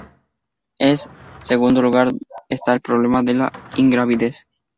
En segundo lugar está el problema de la ingravidez.